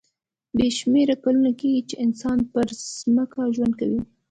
بې شمېره کلونه کېږي چې انسان پر ځمکه ژوند کوي.